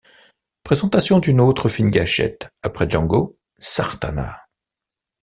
Présentation d'une autre fine gachette: après Django, Sartana.